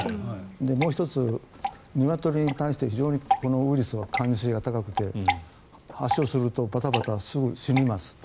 もう１つ、ニワトリに対して非常にこのウイルスは感受性が高くて発症するとバタバタすぐに死にます。